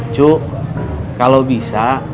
cu kalau bisa